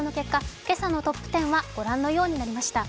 今朝のトップ１０はご覧のようになりました。